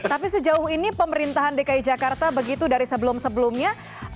tapi sejauh ini pemerintahan dki jakarta begitu dari sebelum sebelumnya